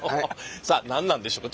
さあ何なんでしょうか。